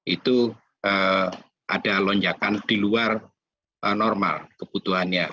itu ada lonjakan di luar normal kebutuhannya